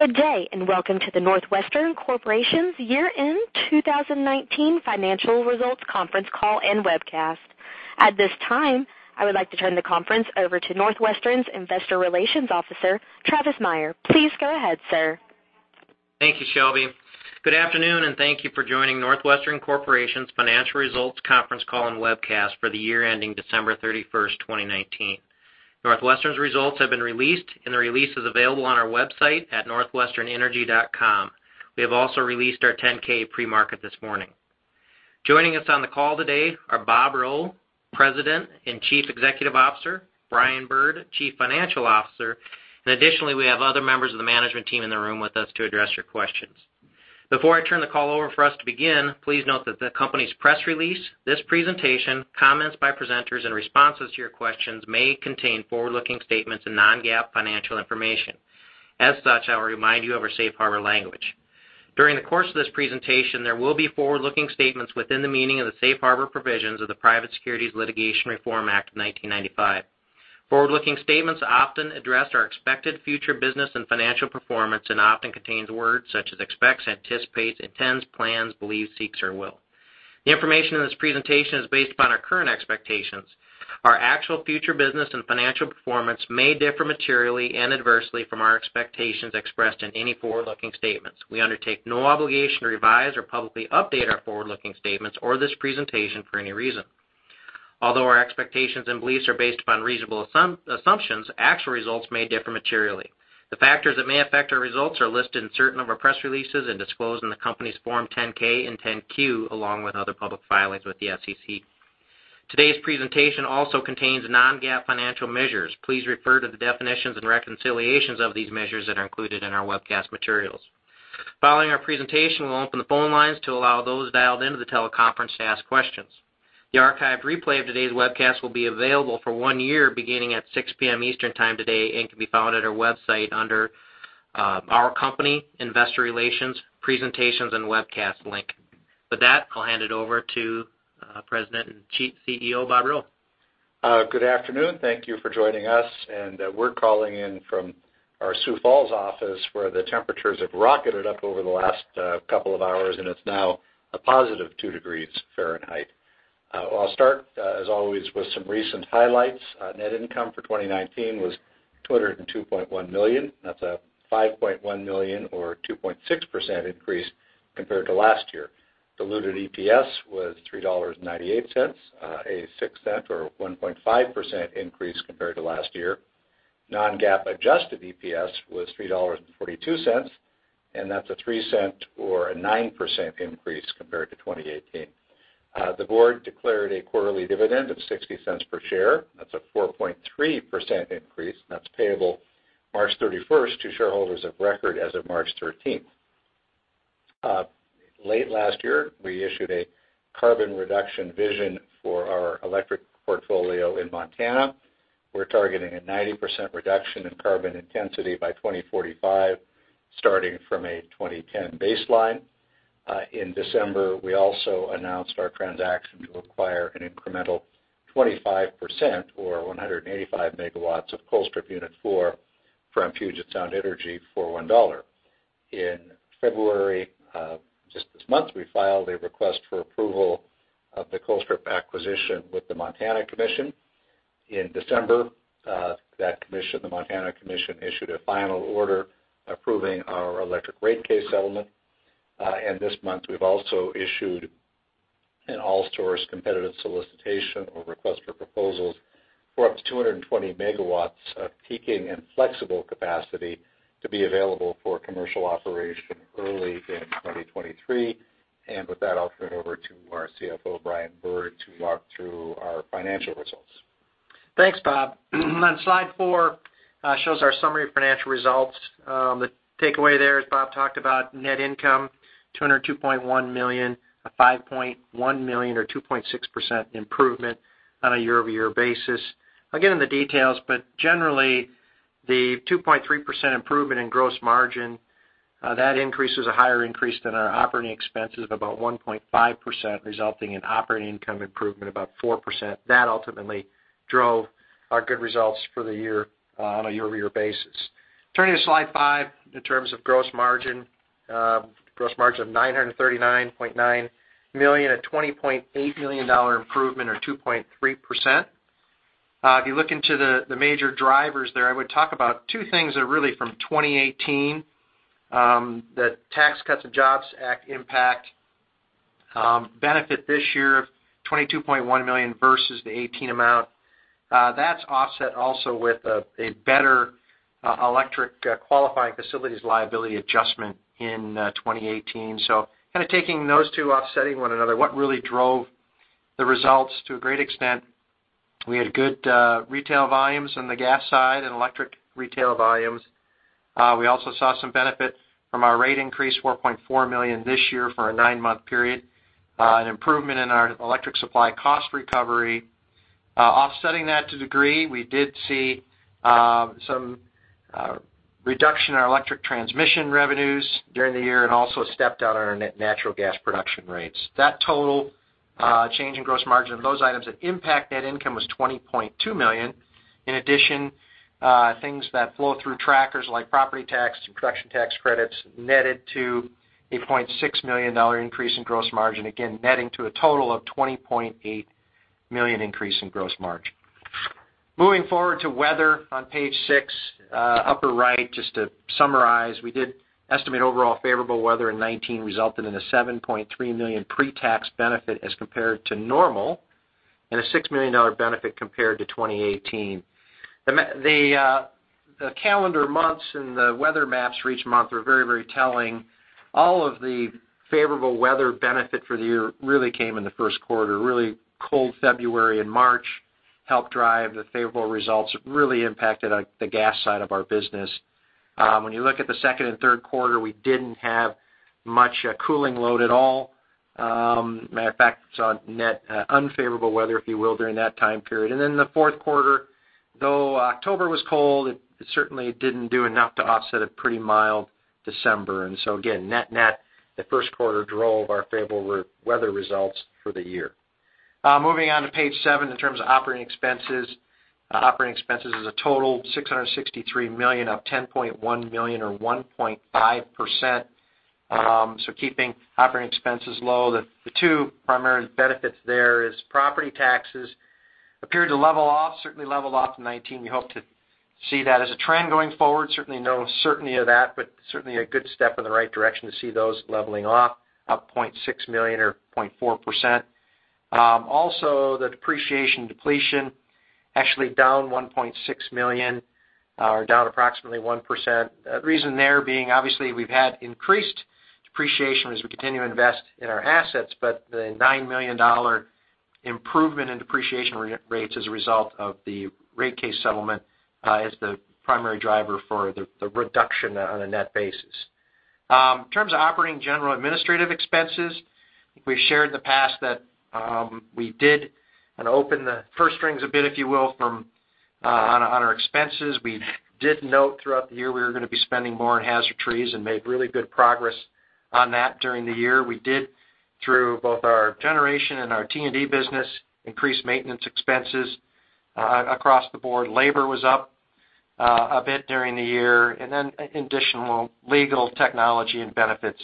Good day. Welcome to the NorthWestern Corporation's year-end 2019 financial results conference call and webcast. At this time, I would like to turn the conference over to NorthWestern's Investor Relations Officer, Travis Meyer. Please go ahead, sir. Thank you, Shelby. Good afternoon, and thank you for joining NorthWestern Corporation's financial results conference call and webcast for the year ending December 31st, 2019. NorthWestern's results have been released, and the release is available on our website at northwesternenergy.com. We have also released our 10-K pre-market this morning. Joining us on the call today are Bob Rowe, President and Chief Executive Officer, Brian Bird, Chief Financial Officer, and additionally, we have other members of the management team in the room with us to address your questions. Before I turn the call over for us to begin, please note that the company's press release, this presentation, comments by presenters, and responses to your questions may contain forward-looking statements and non-GAAP financial information. As such, I will remind you of our safe harbor language. During the course of this presentation, there will be forward-looking statements within the meaning of the safe harbor provisions of the Private Securities Litigation Reform Act of 1995. Forward-looking statements often address our expected future business and financial performance and often contains words such as expects, anticipates, intends, plans, believes, seeks, or will. The information in this presentation is based upon our current expectations. Our actual future business and financial performance may differ materially and adversely from our expectations expressed in any forward-looking statements. We undertake no obligation to revise or publicly update our forward-looking statements or this presentation for any reason. Although our expectations and beliefs are based upon reasonable assumptions, actual results may differ materially. The factors that may affect our results are listed in certain of our press releases and disclosed in the company's Form 10-K and 10-Q, along with other public filings with the SEC. Today's presentation also contains non-GAAP financial measures. Please refer to the definitions and reconciliations of these measures that are included in our webcast materials. Following our presentation, we'll open the phone lines to allow those dialed into the teleconference to ask questions. The archived replay of today's webcast will be available for one year beginning at 6:00 P.M. Eastern Time today and can be found at our website under Our Company, Investor Relations, Presentations and Webcast link. With that, I'll hand it over to President and Chief CEO, Bob Rowe. Good afternoon. Thank you for joining us. We're calling in from our Sioux Falls office, where the temperatures have rocketed up over the last couple of hours, and it's now a +2 degrees Fahrenheit. I'll start, as always, with some recent highlights. Net income for 2019 was $202.1 million. That's a $5.1 million or 2.6% increase compared to last year. Diluted EPS was $3.98, a $0.06 or 1.5% increase compared to last year. Non-GAAP adjusted EPS was $3.42. That's a $0.03 or a 9% increase compared to 2018. The board declared a quarterly dividend of $0.60 per share. That's a 4.3% increase. That's payable March 31st to shareholders of record as of March 13th. Late last year, we issued a carbon reduction vision for our electric portfolio in Montana. We're targeting a 90% reduction in carbon intensity by 2045, starting from a 2010 baseline. In December, we also announced our transaction to acquire an incremental 25% or 185 MW of Colstrip Unit 4 from Puget Sound Energy for $1. In February, just this month, we filed a request for approval of the Colstrip acquisition with the Montana Commission. In December, the Montana Commission issued a final order approving our electric rate case settlement. This month, we've also issued an all-source competitive solicitation or request for proposals for up to 220 MW of peaking and flexible capacity to be available for commercial operation early in 2023. With that, I'll turn it over to our CFO, Brian Bird, to walk through our financial results. Thanks, Bob. On slide four, shows our summary of financial results. The takeaway there, as Bob talked about, net income, $202.1 million, a $5.1 million or 2.6% improvement on a year-over-year basis. I'll get into the details, but generally, the 2.3% improvement in gross margin, that increase is a higher increase than our operating expenses of about 1.5%, resulting in operating income improvement about 4%. That ultimately drove our good results for the year on a year-over-year basis. Turning to slide five, in terms of gross margin. Gross margin of $939.9 million, a $20.8 million improvement or 2.3%. If you look into the major drivers there, I would talk about two things that are really from 2018. The Tax Cuts and Jobs Act impact benefit this year of $22.1 million versus the 2018 amount. That's offset also with a better electric qualifying facilities liability adjustment in 2018. Taking those two offsetting one another, what really drove the results to a great extent, we had good retail volumes on the gas side and electric retail volumes. We also saw some benefit from our rate increase, $4.4 million this year for a nine-month period. An improvement in our electric supply cost recovery. Offsetting that to degree, we did see some reduction in our electric transmission revenues during the year and also stepped down on our natural gas production rates. That total Change in gross margin of those items that impact net income was $20.2 million. In addition, things that flow through trackers like property tax and production tax credits netted to a $0.6 million increase in gross margin, again, netting to a total of $20.8 million increase in gross margin. Moving forward to weather on page six, upper right, just to summarize, we did estimate overall favorable weather in 2019 resulted in a $7.3 million pre-tax benefit as compared to normal and a $6 million benefit compared to 2018. The calendar months and the weather maps for each month are very telling. All of the favorable weather benefit for the year really came in the first quarter. Really cold February and March helped drive the favorable results. It really impacted the gas side of our business. When you look at the second and third quarter, we didn't have much cooling load at all. Matter of fact, it was on net unfavorable weather, if you will, during that time period. The fourth quarter, though October was cold, it certainly didn't do enough to offset a pretty mild December. Again, net the first quarter drove our favorable weather results for the year. Moving on to page seven, in terms of operating expenses. Operating expenses is a total $663 million, up $10.1 million or 1.5%. Keeping operating expenses low. The two primary benefits there is property taxes appeared to level off, certainly leveled off in 2019. We hope to see that as a trend going forward. Certainly no certainty of that, but certainly a good step in the right direction to see those leveling off, up $0.6 million or 0.4%. The depreciation depletion, actually down $1.6 million, or down approximately 1%. Reason there being, obviously we've had increased depreciation as we continue to invest in our assets, but the $9 million improvement in depreciation rates as a result of the rate case settlement is the primary driver for the reduction on a net basis. In terms of Operating, General & Administrative expenses, I think we shared in the past that we did open the purse strings a bit, if you will, on our expenses. We did note throughout the year we were going to be spending more on hazard trees and made really good progress on that during the year. We did through both our generation and our T&D business, increase maintenance expenses across the board. Labor was up a bit during the year. Additional legal, technology, and benefits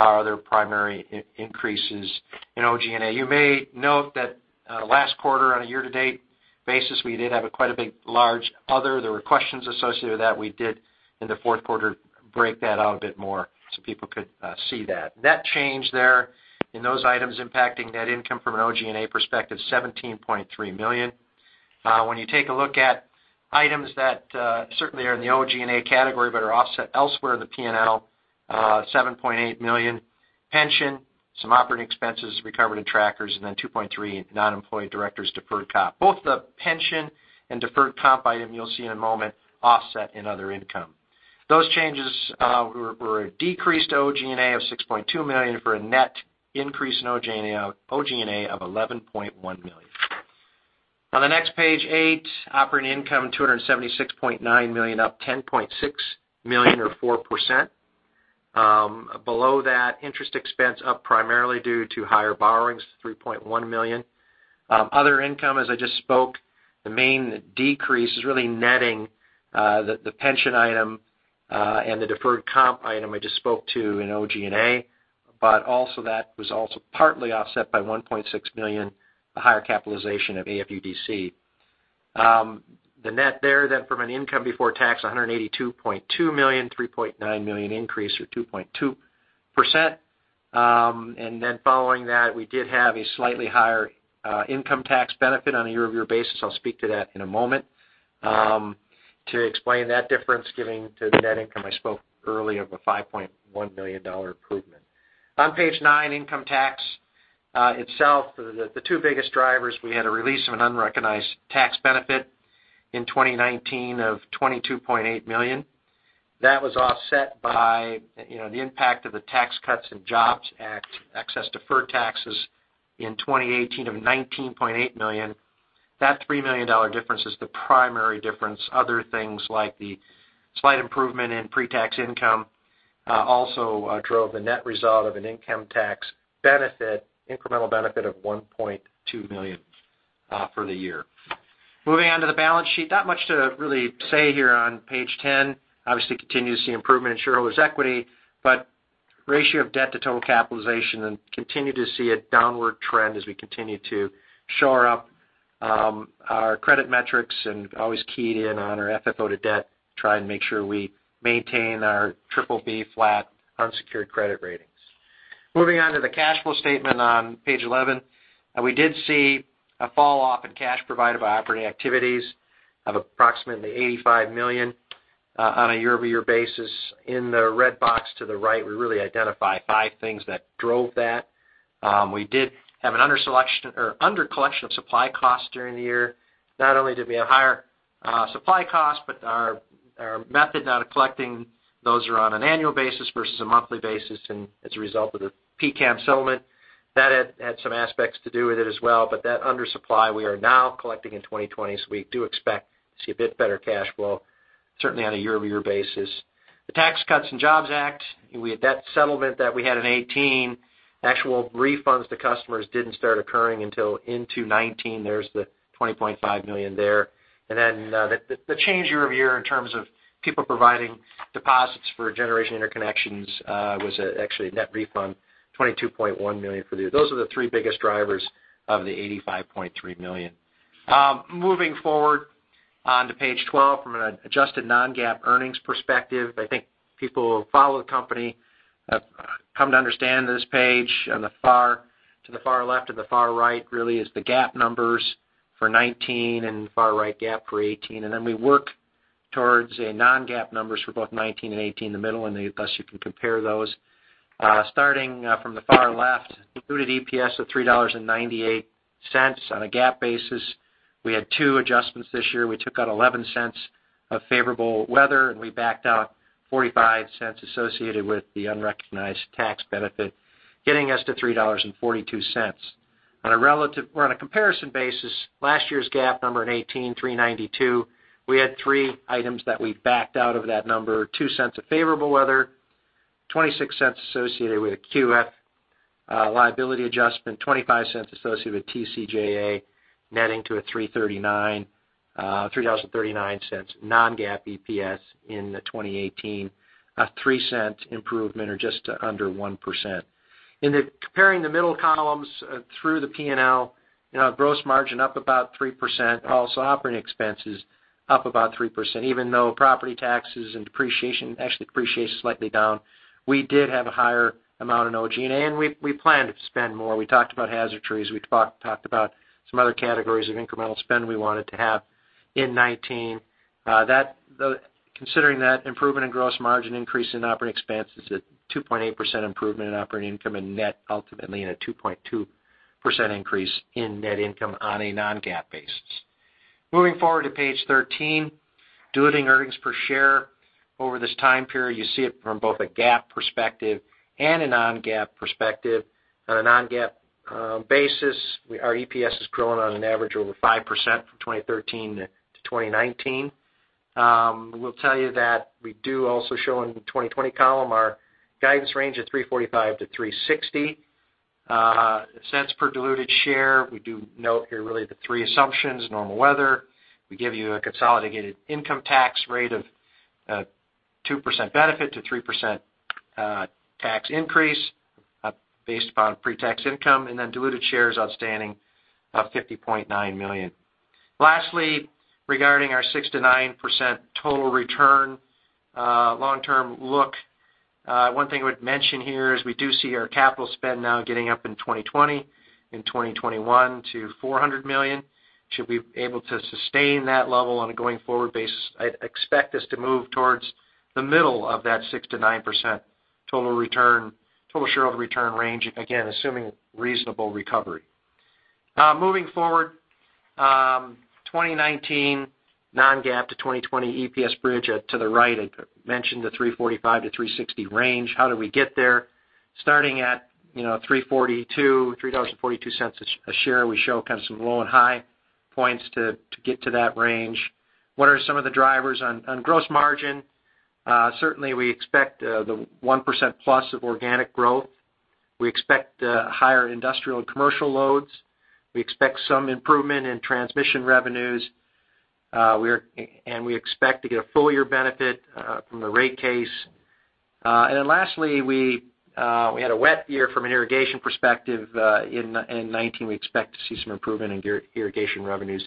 are their primary increases in OG&A. You may note that last quarter, on a year-to-date basis, we did have quite a large other. There were questions associated with that. We did, in the fourth quarter, break that out a bit more so people could see that. Net change there in those items impacting net income from an OG&A perspective, $17.3 million. When you take a look at items that certainly are in the OG&A category but are offset elsewhere in the P&L, $7.8 million. Pension, some operating expenses recovered in trackers, and then $2.3 million non-employee directors' deferred comp. Both the pension and deferred comp item you'll see in a moment offset in other income. Those changes were a decreased OG&A of $6.2 million for a net increase in OG&A of $11.1 million. On the next page eight, operating income $276.9 million, up $10.6 million or 4%. Below that, interest expense up primarily due to higher borrowings to $3.1 million. Other income, as I just spoke, the main decrease is really netting the pension item and the deferred comp item I just spoke to in OG&A. Also that was also partly offset by $1.6 million, the higher capitalization of AFUDC. The net there then from an income before tax, $182.2 million, $3.9 million increase or 2.2%. Following that, we did have a slightly higher income tax benefit on a year-over-year basis. I'll speak to that in a moment. To explain that difference giving to the net income I spoke earlier of a $5.1 million improvement. On page nine, income tax itself, the two biggest drivers, we had a release of an unrecognized tax benefit in 2019 of $22.8 million. That was offset by the impact of the Tax Cuts and Jobs Act, excess deferred taxes in 2018 of $19.8 million. That $3 million difference is the primary difference. Other things like the slight improvement in pre-tax income also drove the net result of an income tax benefit, incremental benefit of $1.2 million for the year. Moving on to the balance sheet. Not much to really say here on page 10. Obviously, continue to see improvement in shareholders' equity, ratio of debt to total capitalization and continue to see a downward trend as we continue to shore up our credit metrics and always keyed in on our FFO to debt to try and make sure we maintain our BBB flat unsecured credit ratings. Moving on to the cash flow statement on page 11. We did see a fall off in cash provided by operating activities of approximately $85 million on a year-over-year basis. In the red box to the right, we really identify five things that drove that. We did have an under collection of supply costs during the year. Not only did we have higher supply costs, but our method now of collecting those are on an annual basis versus a monthly basis. As a result of the PCCAM settlement, that had some aspects to do with it as well. That undersupply we are now collecting in 2020, so we do expect to see a bit better cash flow. Certainly on a year-over-year basis. The Tax Cuts and Jobs Act, that settlement that we had in 2018, actual refunds to customers didn't start occurring until into 2019. There's the $20.5 million there. The change year-over-year in terms of people providing deposits for generation interconnections was actually a net refund, $22.1 million for the year. Those are the three biggest drivers of the $85.3 million. Moving forward, onto page 12, from an adjusted non-GAAP earnings perspective. I think people who follow the company have come to understand this page. To the far left and the far right really is the GAAP numbers for 2019, and the far-right GAAP for 2018. We work towards a non-GAAP numbers for both 2019 and 2018 in the middle, and thus you can compare those. Starting from the far left, diluted EPS of $3.98 on a GAAP basis. We had two adjustments this year. We took out $0.11 of favorable weather, and we backed out $0.45 associated with the unrecognized tax benefit, getting us to $3.42. On a comparison basis, last year's GAAP number in 2018, $3.92. We had three items that we backed out of that number, $0.02 of favorable weather, $0.26 associated with a QF liability adjustment, $0.25 associated with TCJA, netting to a $3.39, $3.39 non-GAAP EPS in the 2018. A $0.03 improvement or just under 1%. Comparing the middle columns through the P&L, gross margin up about 3%, also operating expenses up about 3%, even though property taxes and depreciation, actually depreciation's slightly down. We did have a higher amount in OG&A, and we planned to spend more. We talked about hazard trees, we talked about some other categories of incremental spend we wanted to have in 2019. Considering that improvement in gross margin increase and operating expense is a 2.8% improvement in operating income and net ultimately, and a 2.2% increase in net income on a non-GAAP basis. Moving forward to page 13. Diluted earnings per share over this time period, you see it from both a GAAP perspective and a non-GAAP perspective. On a non-GAAP basis, our EPS has grown on an average of over 5% from 2013-2019. We'll tell you that we do also show in the 2020 column our guidance range of $0.0345-$0.0360 per diluted share. We do note here really the three assumptions, normal weather. We give you a consolidated income tax rate of 2% benefit to 3% tax increase based upon pre-tax income, and then diluted shares outstanding of 50.9 million. Lastly, regarding our 6%-9% total return long-term look. One thing I would mention here is we do see our capital spend now getting up in 2020 and 2021 to $400 million. Should be able to sustain that level on a going forward basis. I expect us to move towards the middle of that 6%-9% total shareholder return range, again, assuming reasonable recovery. Moving forward, 2019 non-GAAP to 2020 EPS bridge to the right. I mentioned the $3.45-$3.60 range. How do we get there? Starting at $3.42 a share, we show kind of some low and high points to get to that range. What are some of the drivers on gross margin? Certainly, we expect the 1%+ of organic growth. We expect higher industrial and commercial loads. We expect some improvement in transmission revenues, and we expect to get a full year benefit from the rate case. Lastly, we had a wet year from an irrigation perspective in 2019. We expect to see some improvement in irrigation revenues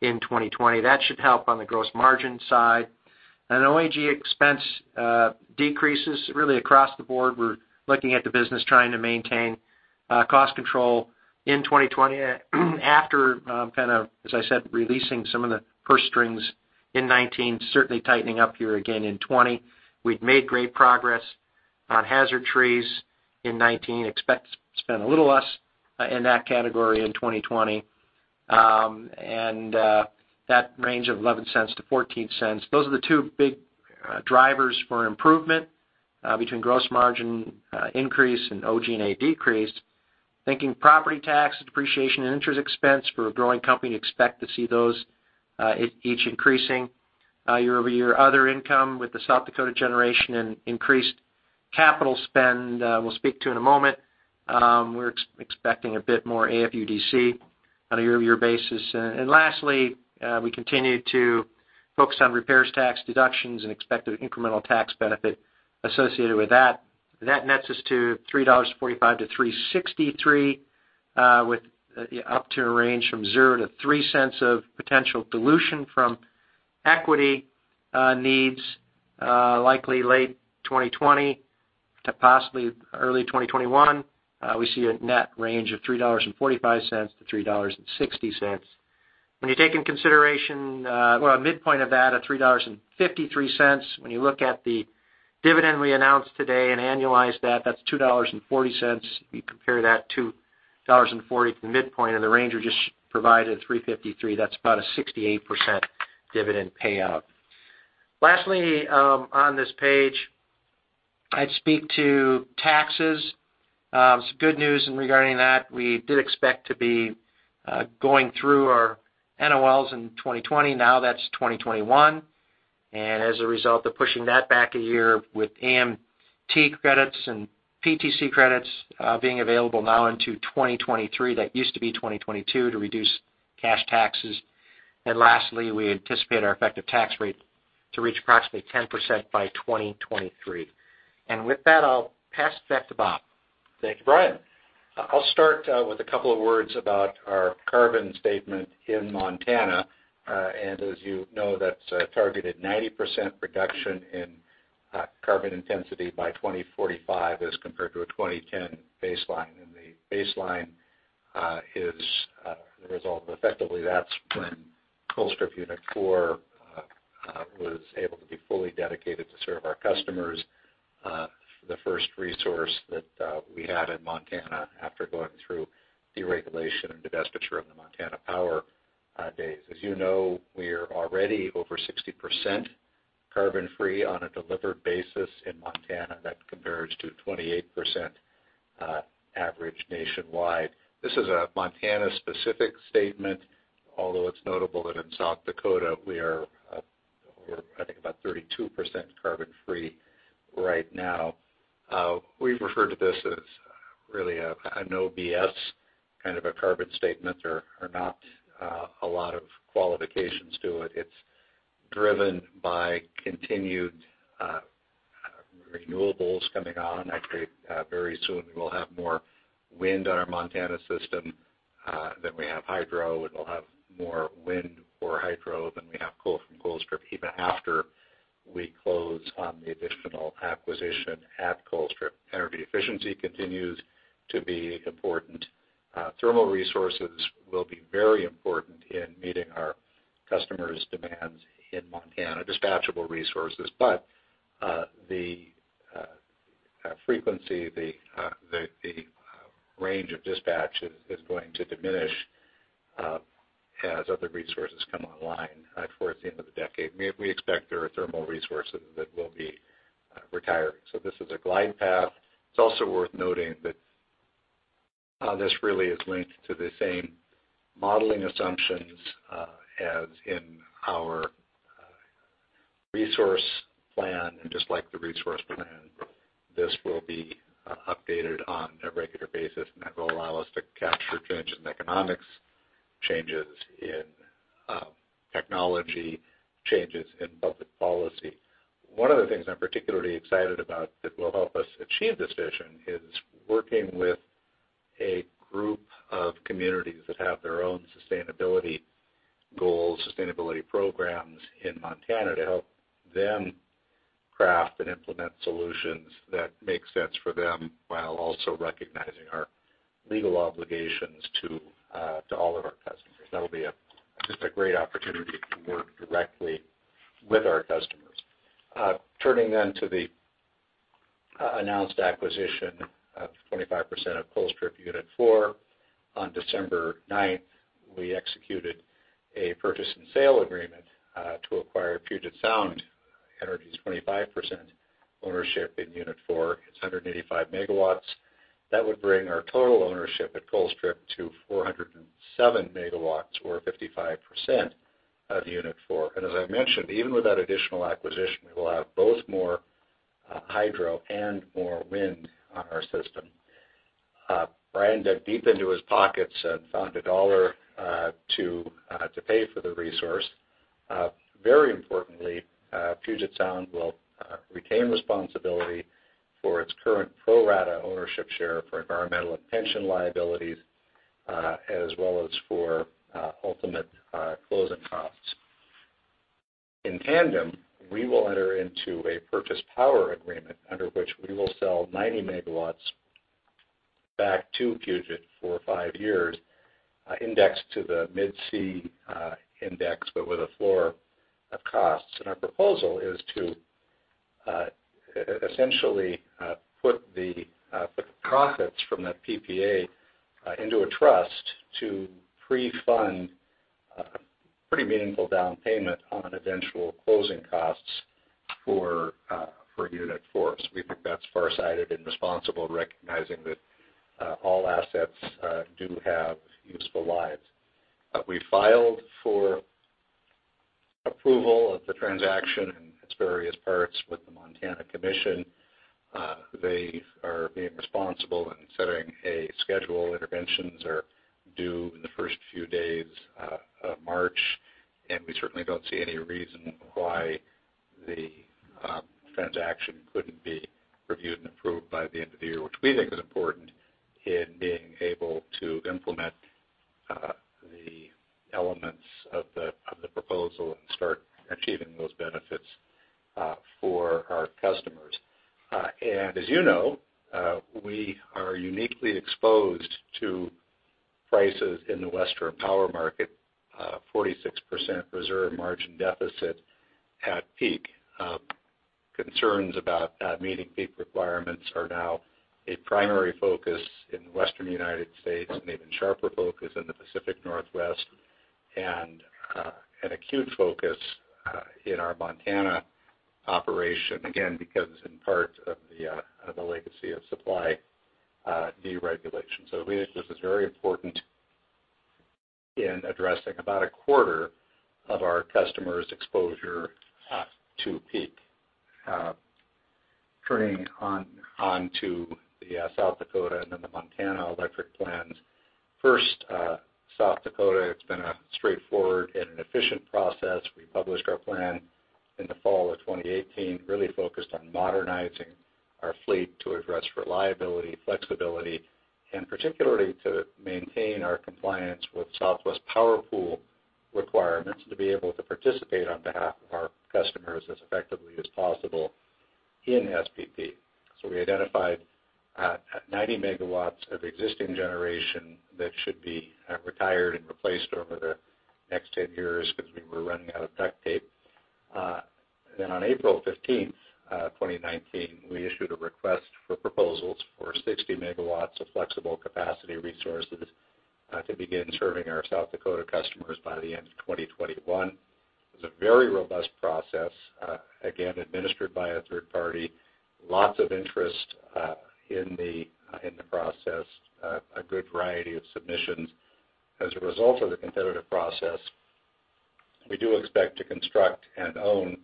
in 2020. That should help on the gross margin side. OG&A expense decreases really across the board. We're looking at the business trying to maintain cost control in 2020 after, as I said, releasing some of the purse strings in 2019, certainly tightening up here again in 2020. We've made great progress on hazard trees in 2019. Expect to spend a little less in that category in 2020, and that range of $0.11-$0.14. Those are the two big drivers for improvement between gross margin increase and OG&A decrease. Thinking property tax, depreciation, and interest expense for a growing company, expect to see those each increasing year-over-year. Other income with the South Dakota generation and increased capital spend, we'll speak to in a moment. We're expecting a bit more AFUDC on a year-over-year basis. Lastly, we continue to focus on repairs tax deductions and expect an incremental tax benefit associated with that. That nets us to $3.45-$3.63, with the up to range from $0.00-$0.03 of potential dilution from equity needs likely late 2020 to possibly early 2021. We see a net range of $3.45-$3.60. When you take into consideration, well, a midpoint of that at $3.53, when you look at the dividend we announced today and annualize that's $2.40. If you compare that $2.40 to the midpoint of the range we just provided, $3.53, that's about a 68% dividend payout. Lastly on this page, I'd speak to taxes. Some good news regarding that. We did expect to be going through our NOLs in 2020. Now that's 2021. As a result of pushing that back a year with AMT credits and PTC credits being available now into 2023, that used to be 2022, to reduce cash taxes. Lastly, we anticipate our effective tax rate to reach approximately 10% by 2023. With that, I'll pass it back to Bob. Thank you, Brian. I'll start with a couple of words about our carbon statement in Montana. As you know, that's targeted 90% reduction in carbon intensity by 2045 as compared to a 2010 baseline. The baseline is the result of, effectively, that's when Colstrip Unit 4 was able to be fully dedicated to serve our customers, the first resource that we had in Montana after going through deregulation and divestiture of the Montana Power days. As you know, we're already over 60% carbon-free on a delivered basis in Montana. That compares to 28% average nationwide. This is a Montana-specific statement, although it's notable that in South Dakota we are, I think, about 32% carbon-free right now. We refer to this as really a no BS kind of a carbon statement. There are not a lot of qualifications to it. It's driven by continued renewables coming on. I think very soon we will have more wind on our Montana system than we have hydro, and we'll have more wind or hydro than we have coal from Colstrip, even after we close on the additional acquisition at Colstrip. Energy efficiency continues to be important. Thermal resources will be very important in meeting our customers' demands in Montana, dispatchable resources. The frequency, the range of dispatches is going to diminish as other resources come online towards the end of the decade. We expect our thermal resources that will be retiring. This is a glide path. It's also worth noting that this really is linked to the same modeling assumptions as in our resource plan. Just like the resource plan, this will be updated on a regular basis, and that will allow us to capture changes in economics, changes in technology, changes in public policy. One of the things I'm particularly excited about that will help us achieve this vision is working with a group of communities that have their own sustainability goals, sustainability programs in Montana to help them craft and implement solutions that make sense for them, while also recognizing our legal obligations to all of our customers. That'll be a great opportunity to work directly with our customers. Turning to the announced acquisition of 25% of Colstrip Unit 4. On December 9th, we executed a purchase and sale agreement to acquire Puget Sound Energy's 25% ownership in Unit 4. It's 185 MW. That would bring our total ownership at Colstrip to 407 MW or 55% of Unit 4. As I mentioned, even with that additional acquisition, we will have both more hydro and more wind on our system. Brian dug deep into his pockets and found $1 to pay for the resource. Very importantly, Puget Sound will retain responsibility for its current pro rata ownership share for environmental and pension liabilities, as well as for ultimate closing costs. In tandem, we will enter into a purchase power agreement under which we will sell 90 MG back to Puget for five years, indexed to the Mid-C index, but with a floor of costs. Our proposal is to essentially put the profits from that PPA into a trust to pre-fund a pretty meaningful down payment on eventual closing costs for Unit 4. We think that's farsighted and responsible, recognizing that all assets do have useful lives. We filed for approval of the transaction in its various parts with the Montana Commission. They are being responsible in setting a schedule. Interventions are due in the first few days of March, we certainly don't see any reason why the transaction couldn't be reviewed and approved by the end of the year, which we think is important in being able to implement the elements of the proposal and start achieving those benefits for our customers. As you know, we are uniquely exposed to prices in the Western power market, 46% reserve margin deficit at peak. Concerns about meeting peak requirements are now a primary focus in the Western U.S. and an even sharper focus in the Pacific Northwest. An acute focus in our Montana operation, again, because in part of the legacy of supply deregulation. We think this is very important in addressing about a quarter of our customers' exposure to peak. Turning on to the South Dakota and then the Montana electric plans. South Dakota, it's been a straightforward and an efficient process. We published our plan in the fall of 2018, really focused on modernizing our fleet to address reliability, flexibility, and particularly to maintain our compliance with Southwest Power Pool requirements, to be able to participate on behalf of our customers as effectively as possible in SPP. We identified 90 MW of existing generation that should be retired and replaced over the next 10 years because we were running out of duct tape. On April 15th, 2019, we issued a request for proposals for 60 MW of flexible capacity resources to begin serving our South Dakota customers by the end of 2021. It was a very robust process, again, administered by a third party. Lots of interest in the process. A good variety of submissions. As a result of the competitive process, we do expect to construct and own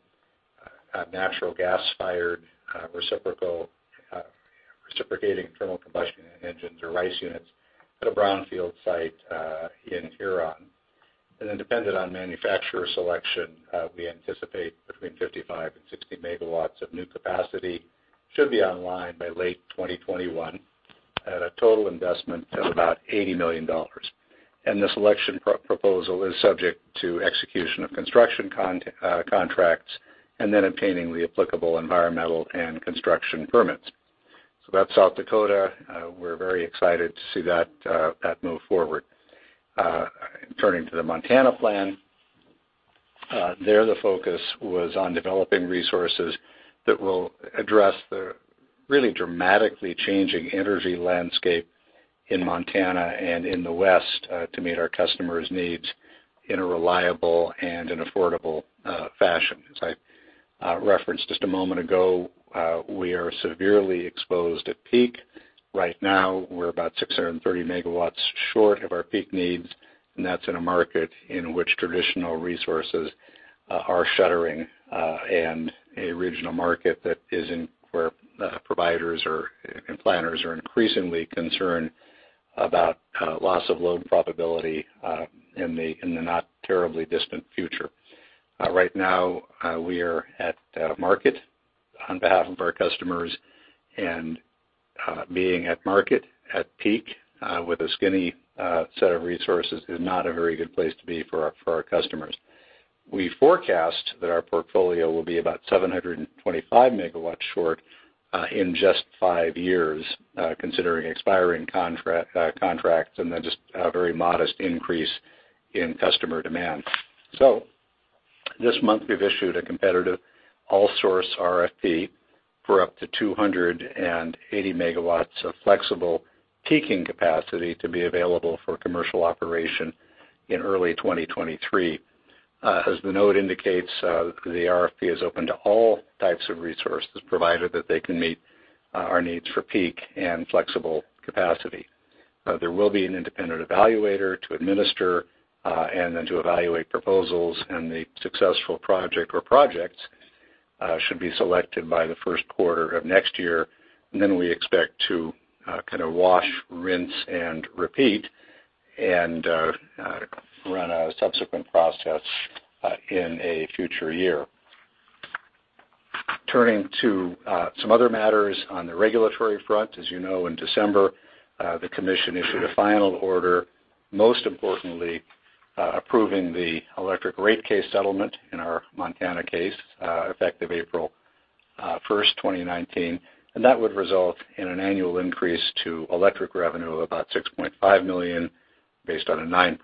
natural gas-fired reciprocating thermal combustion engines, or RICE units, at a brownfield site in Huron. Dependent on manufacturer selection, we anticipate between 55 MW and 60 MW of new capacity should be online by late 2021, at a total investment of about $80 million. The selection proposal is subject to execution of construction contracts and then obtaining the applicable environmental and construction permits. That's South Dakota. We're very excited to see that move forward. Turning to the Montana plan. There, the focus was on developing resources that will address the really dramatically changing energy landscape in Montana and in the West to meet our customers' needs in a reliable and an affordable fashion. As I referenced just a moment ago, we are severely exposed at peak. Right now, we're about 630 MW short of our peak needs, and that's in a market in which traditional resources are shuttering and a regional market that is in where providers or planners are increasingly concerned about loss of load probability in the not terribly distant future. Right now, we are at market on behalf of our customers, and being at market at peak with a skinny set of resources is not a very good place to be for our customers. We forecast that our portfolio will be about 725 MW short in just five years, considering expiring contracts and then just a very modest increase in customer demand. This month we've issued a competitive all source RFP for up to 280 MW of flexible peaking capacity to be available for commercial operation in early 2023. As the note indicates, the RFP is open to all types of resources, provided that they can meet our needs for peak and flexible capacity. There will be an independent evaluator to administer and then to evaluate proposals, and the successful project or projects should be selected by the first quarter of next year. Then we expect to kind of wash, rinse, and repeat and run a subsequent process in a future year. Turning to some other matters on the regulatory front. As you know, in December, the commission issued a final order, most importantly, approving the electric rate case settlement in our Montana case, effective April 1st, 2019, and that would result in an annual increase to electric revenue of about $6.5 million based on a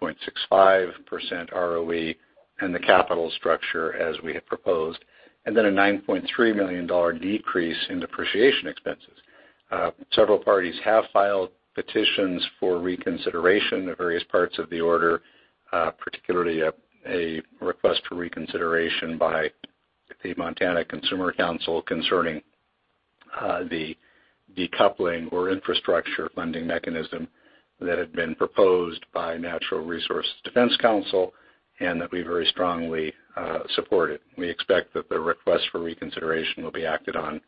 9.65% ROE and the capital structure as we had proposed, and then a $9.3 million decrease in depreciation expenses. Several parties have filed petitions for reconsideration of various parts of the order, particularly a request for reconsideration by the Montana Consumer Council concerning the decoupling or infrastructure funding mechanism that had been proposed by Natural Resources Defense Council, and that we very strongly support it. We expect that the request for reconsideration will be acted on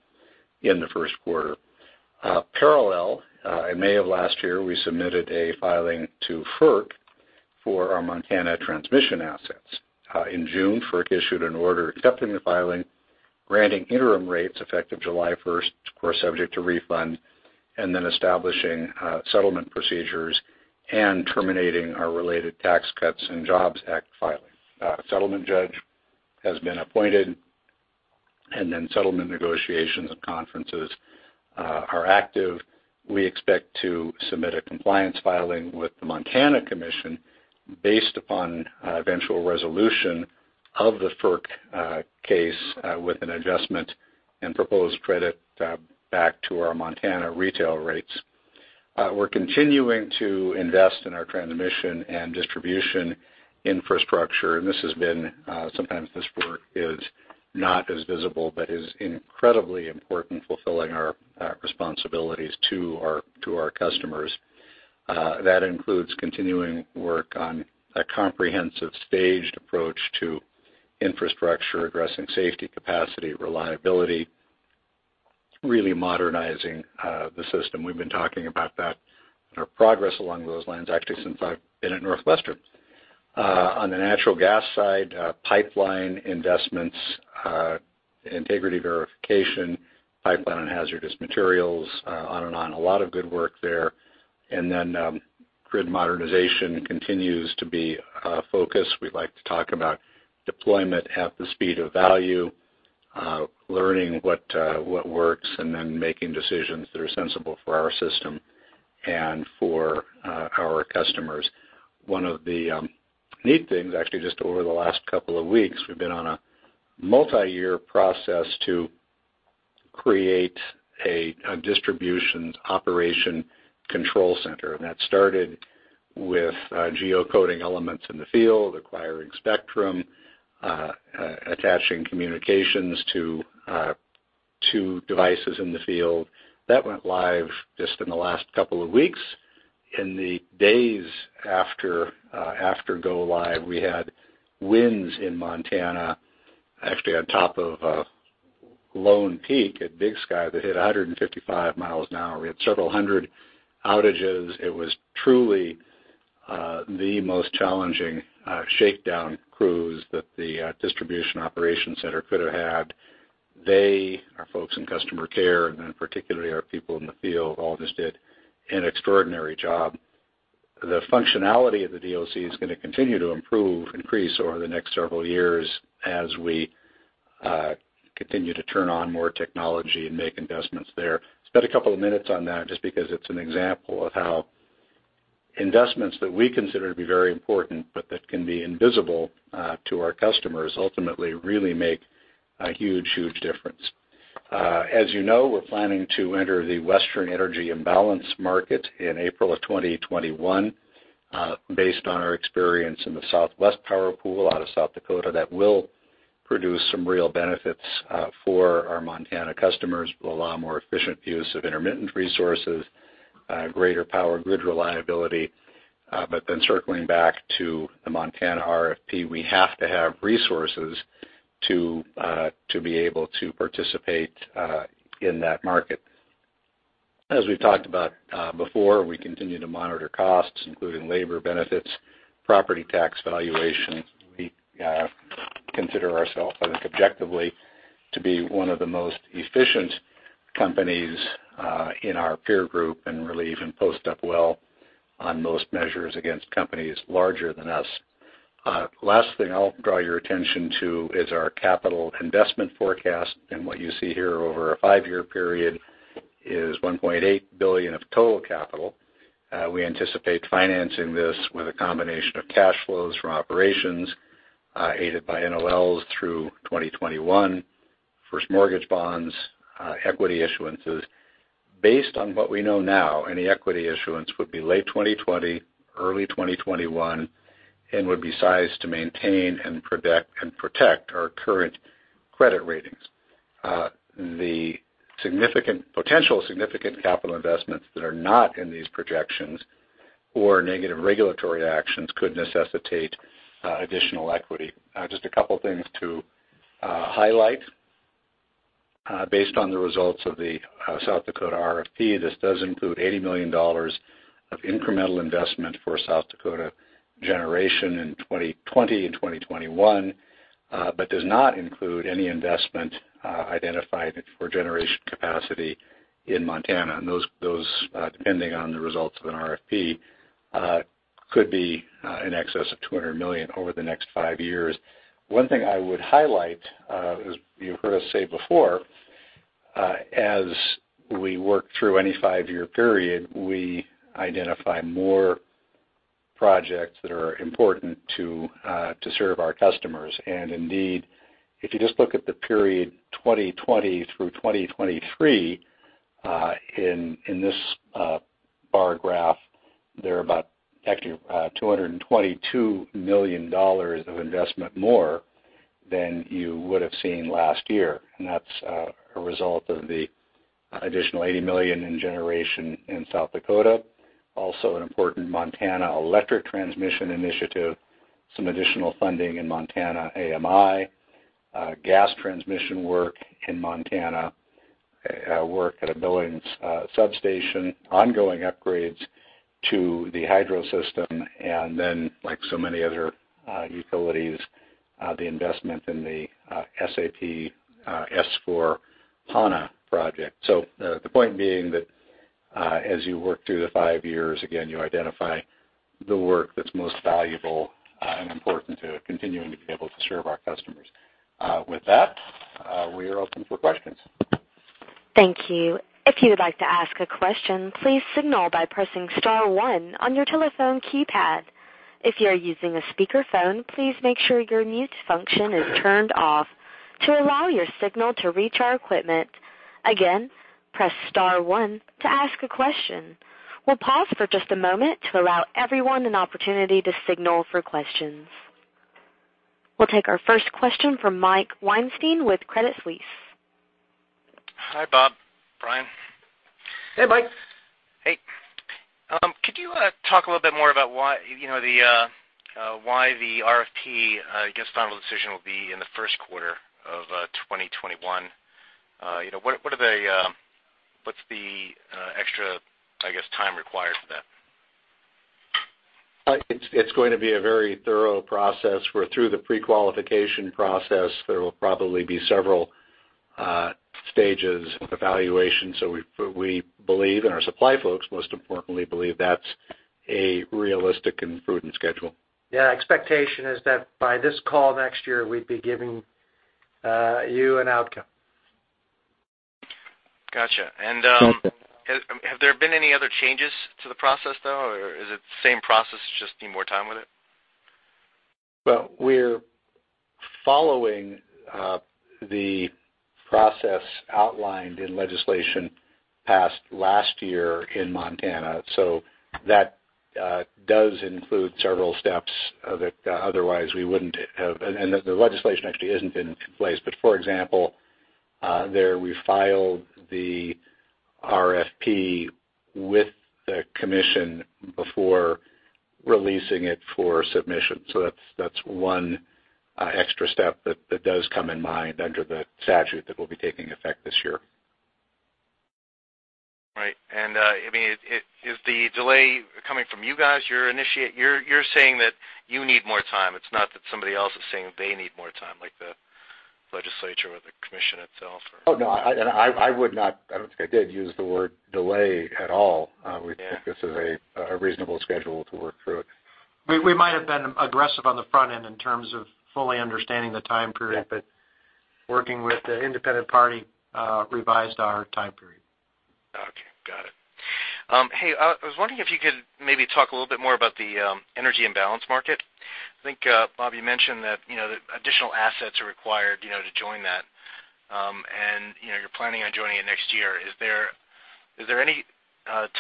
in the first quarter. Parallel, in May of last year, we submitted a filing to FERC for our Montana transmission assets. In June, FERC issued an order accepting the filing, granting interim rates effective July 1st, of course subject to refund, and then establishing settlement procedures and terminating our related Tax Cuts and Jobs Act filing. A settlement judge has been appointed, settlement negotiations and conferences are active. We expect to submit a compliance filing with the Montana Commission based upon eventual resolution of the FERC case with an adjustment and proposed credit back to our Montana retail rates. We're continuing to invest in our transmission and distribution infrastructure, and sometimes this work is not as visible but is incredibly important fulfilling our responsibilities to our customers. That includes continuing work on a comprehensive staged approach to infrastructure, addressing safety, capacity, reliability, really modernizing the system. We've been talking about that and our progress along those lines actually since I've been at NorthWestern Energy. On the natural gas side, pipeline investments, integrity verification, pipeline and hazardous materials, on and on. A lot of good work there. Grid modernization continues to be a focus. We like to talk about deployment at the speed of value, learning what works, and then making decisions that are sensible for our system and for our customers. One of the neat things actually just over the last couple of weeks, we've been on a multi-year process to create a Distribution Operation Control Center. That started with geocoding elements in the field, acquiring spectrum, attaching communications to devices in the field. That went live just in the last couple of weeks. In the days after go live, we had winds in Montana actually on top of Lone Peak at Big Sky that hit 155 mi an hour. We had several hundred outages. It was truly the most challenging shakedown crews that the Distribution Operation Center could have had. They, our folks in Customer Care, and then particularly our people in the field, all just did an extraordinary job. The functionality of the DOC is going to continue to improve, increase over the next several years as we continue to turn on more technology and make investments there. Spent a couple of minutes on that just because it's an example of how investments that we consider to be very important but that can be invisible to our customers ultimately really make a huge, huge difference. As you know, we're planning to enter the Western Energy Imbalance Market in April of 2021. Based on our experience in the Southwest Power Pool out of South Dakota, that will produce some real benefits for our Montana customers. It will allow more efficient use of intermittent resources, greater power grid reliability. Circling back to the Montana RFP, we have to have resources to be able to participate in that market. As we've talked about before, we continue to monitor costs, including labor benefits, property tax valuations. We consider ourselves, I think objectively, to be one of the most efficient companies in our peer group and really even post up well on most measures against companies larger than us. Last thing I'll draw your attention to is our capital investment forecast, and what you see here over a five-year period is $1.8 billion of total capital. We anticipate financing this with a combination of cash flows from operations, aided by NOLs through 2021, first mortgage bonds, equity issuances. Based on what we know now, any equity issuance would be late 2020, early 2021, and would be sized to maintain and protect our current credit ratings. The potential significant capital investments that are not in these projections or negative regulatory actions could necessitate additional equity. Just a couple of things to highlight. Based on the results of the South Dakota RFP, this does include $80 million of incremental investment for South Dakota generation in 2020 and 2021, does not include any investment identified for generation capacity in Montana. Those, depending on the results of an RFP, could be in excess of $200 million over the next five years. One thing I would highlight, as you've heard us say before, as we work through any five-year period, we identify more projects that are important to serve our customers. Indeed, if you just look at the period 2020 through 2023, in this bar graph there are about actually $222 million of investment more than you would've seen last year. That's a result of the additional $80 million in generation in South Dakota. An important Montana Electric Transmission initiative, some additional funding in Montana AMI, gas transmission work in Montana, work at a Billings substation, ongoing upgrades to the hydro system, and like so many other utilities, the investment in the SAP S/4HANA project. The point being that as you work through the five years, again, you identify the work that's most valuable and important to continuing to be able to serve our customers. With that, we are open for questions. Thank you. If you would like to ask a question, please signal by pressing star one on your telephone keypad. If you're using a speakerphone, please make sure your mute function is turned off to allow your signal to reach our equipment. Again, press star one to ask a question. We'll pause for just a moment to allow everyone an opportunity to signal for questions. We'll take our first question from Mike Weinstein with Credit Suisse. Hi, Bob, Brian. Hey, Mike. Hey. Could you talk a little bit more about why the RFP, I guess, final decision will be in the first quarter of 2021? What's the extra, I guess, time required for that? It's going to be a very thorough process where through the pre-qualification process, there will probably be several stages of evaluation. We believe, and our supply folks most importantly believe, that's a realistic and prudent schedule. Yeah. Expectation is that by this call next year, we'd be giving you an outcome. Got you. Have there been any other changes to the process, though? Is it the same process, just need more time with it? Well, we're following the process outlined in legislation passed last year in Montana, so that does include several steps that otherwise we wouldn't have. The legislation actually hasn't been in place. For example, there, we filed the RFP with the commission before releasing it for submission. That's one extra step that does come in effect under the statute that will be taking effect this year. Right. Is the delay coming from you guys? You're saying that you need more time. It's not that somebody else is saying they need more time, like the legislature or the commission itself or. Oh, no, I would not, I don't think I did use the word delay at all. Yeah. We think this is a reasonable schedule to work through it. We might have been aggressive on the front end in terms of fully understanding the time period, but working with the independent party, revised our time period. Okay. Got it. Hey, I was wondering if you could maybe talk a little bit more about the Energy Imbalance Market. I think, Bob, you mentioned that additional assets are required to join that. You're planning on joining it next year. Is there any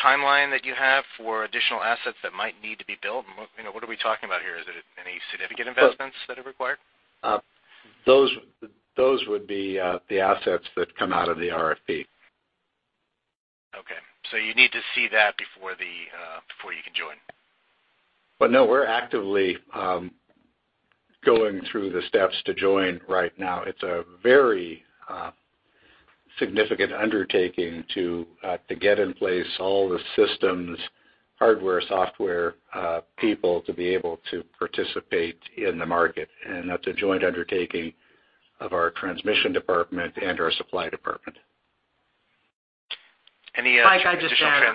timeline that you have for additional assets that might need to be built? What are we talking about here? Is it any significant investments that are required? Those would be the assets that come out of the RFP. Okay. You need to see that before you can join. No, we're actively going through the steps to join right now. It's a very significant undertaking to get in place all the systems, hardware, software, people to be able to participate in the market. That's a joint undertaking of our transmission department and our supply department. Any additional- Mike, I just. Yeah.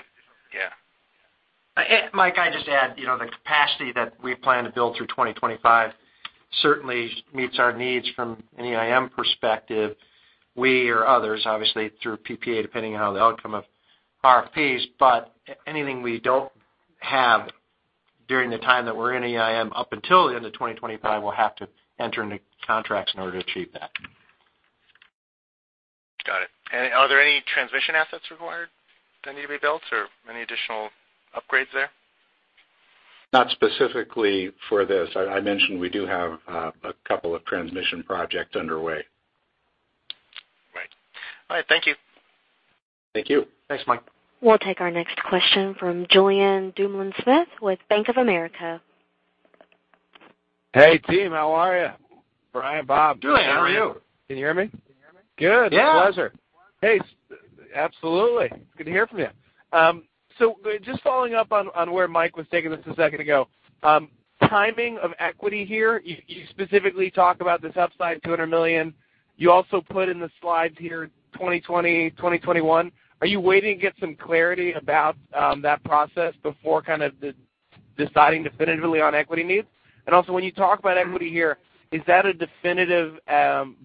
Mike, I just add, the capacity that we plan to build through 2025 certainly meets our needs from an EIM perspective. We or others, obviously, through PPA, depending on how the outcome of RFPs, but anything we don't have during the time that we're in EIM up until the end of 2025, we'll have to enter into contracts in order to achieve that. Got it. Are there any transmission assets required that need to be built, or any additional upgrades there? Not specifically for this. I mentioned we do have a couple of transmission projects underway. Right. All right. Thank you. Thank you. Thanks, Mike. We'll take our next question from Julien Dumoulin-Smith with Bank of America. Hey, team. How are you? Brian, Bob. Julien, how are you? Can you hear me? Good. Yeah. Pleasure. Hey. Absolutely. Good to hear from you. Just following up on where Mike was taking this a second ago. Timing of equity here, you specifically talk about this upside, $200 million. You also put in the slides here 2020, 2021. Are you waiting to get some clarity about that process before kind of deciding definitively on equity needs? Also, when you talk about equity here, is that a definitive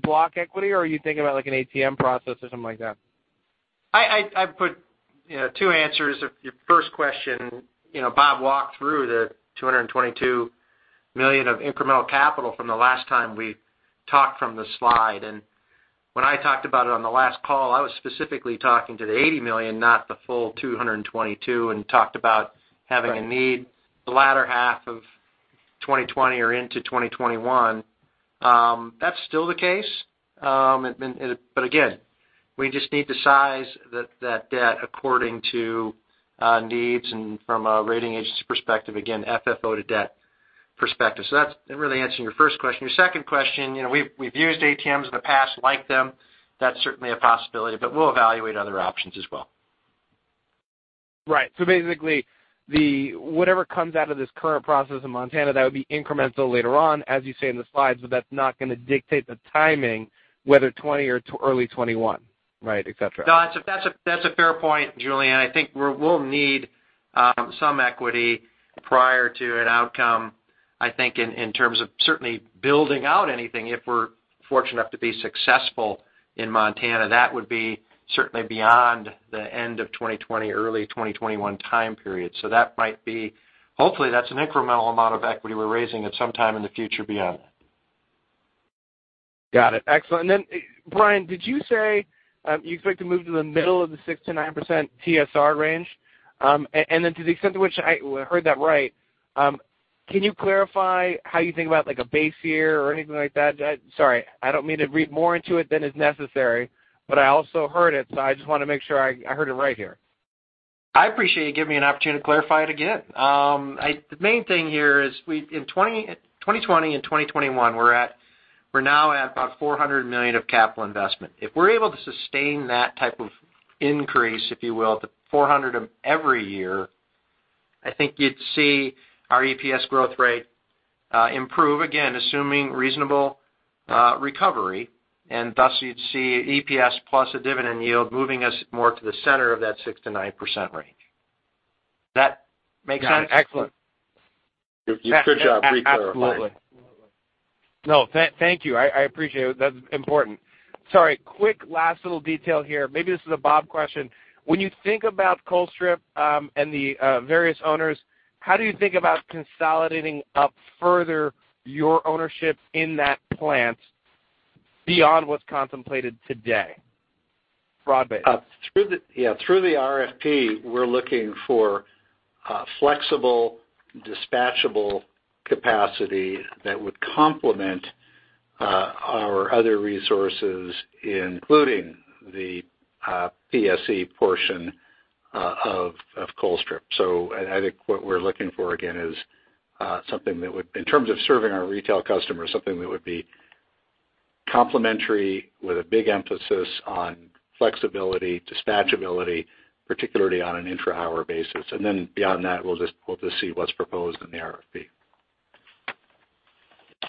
block equity, or are you thinking about like an ATM process or something like that? I'd put two answers. Your first question, Bob walked through the $222 million of incremental capital from the last time we talked from the slide. When I talked about it on the last call, I was specifically talking to the $80 million, not the full $222 million, and talked about having a need the latter half of 2020 or into 2021. That's still the case. Again, we just need to size that debt according to needs and from a rating agency perspective, again, FFO to debt perspective. That's really answering your first question. Your second question, we've used ATMs in the past, liked them. That's certainly a possibility, but we'll evaluate other options as well. Right. Basically, whatever comes out of this current process in Montana, that would be incremental later on, as you say in the slides, but that's not going to dictate the timing, whether 2020 or early 2021, right, et cetera. No, that's a fair point, Julien. I think we'll need some equity prior to an outcome. I think in terms of certainly building out anything, if we're fortunate enough to be successful in Montana, that would be certainly beyond the end of 2020, early 2021 time period. That might be, hopefully, that's an incremental amount of equity we're raising at some time in the future beyond. Got it. Excellent. Brian, did you say you expect to move to the middle of the 6%-9% TSR range? To the extent to which I heard that right, can you clarify how you think about like a base year or anything like that? Sorry, I don't mean to read more into it than is necessary, but I also heard it, so I just want to make sure I heard it right here. I appreciate you giving me an opportunity to clarify it again. The main thing here is in 2020 and 2021, we're now at about $400 million of capital investment. If we're able to sustain that type of increase, if you will, the $400 every year, I think you'd see our EPS growth rate improve again, assuming reasonable recovery, and thus you'd see EPS plus a dividend yield moving us more to the center of that 6%-9% range. That make sense? Got it. Excellent. Good job re-clarifying. Absolutely. No, thank you. I appreciate it. That's important. Sorry, quick last little detail here. Maybe this is a Bob question. When you think about Colstrip, and the various owners, how do you think about consolidating up further your ownership in that plant beyond what's contemplated today? Broad-based. Yeah. Through the RFP, we're looking for flexible, dispatchable capacity that would complement our other resources, including the PSE portion of Colstrip. I think what we're looking for, again, is something that would, in terms of serving our retail customers, something that would be complementary with a big emphasis on flexibility, dispatchability, particularly on an intra-hour basis. Beyond that, we'll just see what's proposed in the RFP.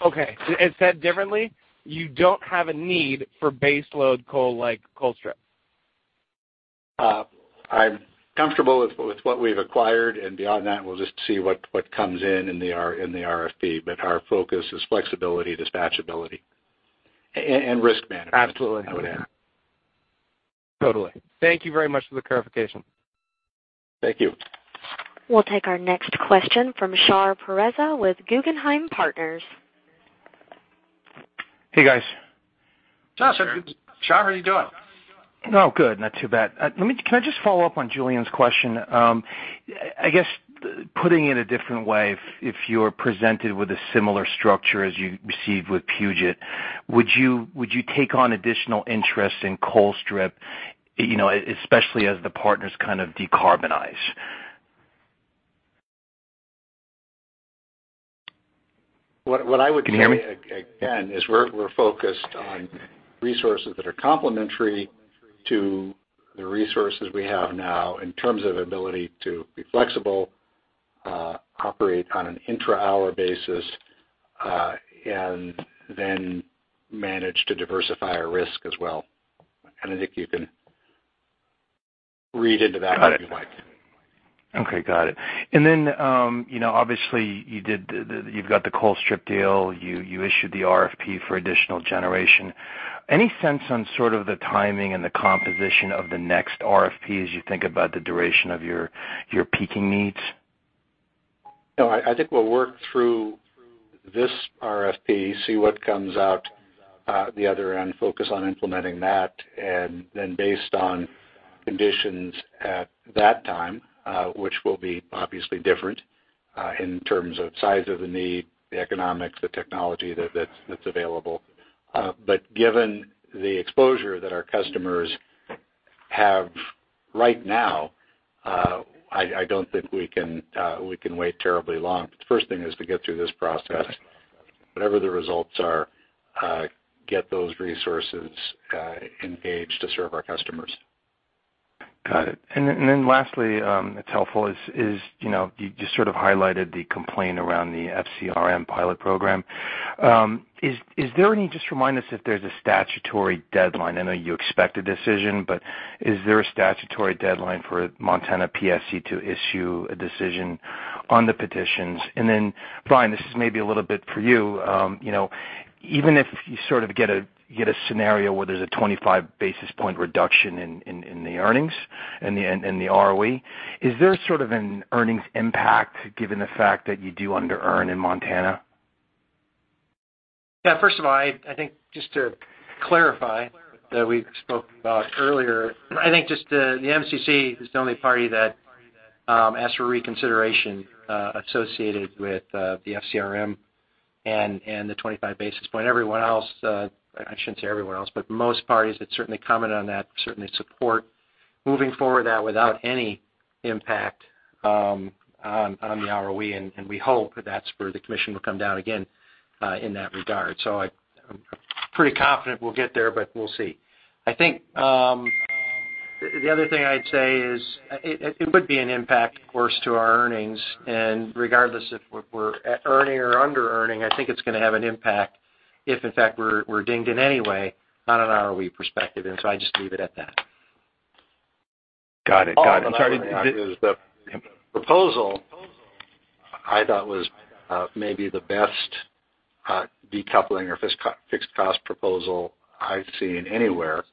Okay. Said differently, you don't have a need for base load coal like Colstrip. I'm comfortable with what we've acquired. Beyond that, we'll just see what comes in in the RFP. Our focus is flexibility, dispatchability, and risk management. Absolutely. I would add. Totally. Thank you very much for the clarification. Thank you. We'll take our next question from Shar Pourreza with Guggenheim Partners. Hey, guys. Shar, how are you doing? No, good. Not too bad. Can I just follow up on Julien's question? I guess putting it a different way, if you're presented with a similar structure as you received with Puget, would you take on additional interest in Colstrip, especially as the partners kind of decarbonize? What I would say- Can you hear me? Again, is we're focused on resources that are complementary to the resources we have now in terms of ability to be flexible, operate on an intra-hour basis, and then manage to diversify our risk as well. I think you can read into that if you like. Okay. Got it. Obviously you've got the Colstrip deal. You issued the RFP for additional generation. Any sense on sort of the timing and the composition of the next RFP as you think about the duration of your peaking needs? No, I think we'll work through this RFP, see what comes out the other end, focus on implementing that, and then based on conditions at that time, which will be obviously different, in terms of size of the need, the economics, the technology that's available. Given the exposure that our customers have right now, I don't think we can wait terribly long. The first thing is to get through this process. Whatever the results are, get those resources engaged to serve our customers. Got it. Lastly, it's helpful is, you just sort of highlighted the complaint around the FCRM pilot program. Just remind us if there's a statutory deadline. I know you expect a decision, is there a statutory deadline for Montana PSC to issue a decision on the petitions? Then Brian, this is maybe a little bit for you. Even if you sort of get a scenario where there's a 25 basis point reduction in the earnings and the ROE, is there sort of an earnings impact given the fact that you do under-earn in Montana? First of all, I think just to clarify that we spoke about earlier, I think just the MCC is the only party that asked for reconsideration, associated with the FCRM and the 25 basis point. Everyone else, I shouldn't say everyone else, but most parties that certainly comment on that certainly support moving forward that without any impact on the ROE, and we hope that's where the commission will come down again, in that regard. I'm pretty confident we'll get there, but we'll see. I think the other thing I'd say is it would be an impact, of course, to our earnings, and regardless if we're earning or under-earning, I think it's going to have an impact if in fact we're dinged in any way on an ROE perspective. I just leave it at that. Got it. All I'm saying is the proposal I thought was maybe the best decoupling or fixed cost proposal I've seen anywhere,